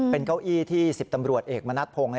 เป็นเก้าอี้ที่๑๐ตำรวจเอกมณัฐพงศ์